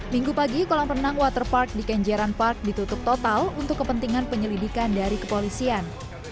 minggu pagi kolam renang waterpark di kenjeran park ditutup total untuk kepentingan penyelidikan dari kepolisian